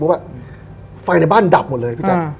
ฟังว่าไฟในบ้านดับหมดเลย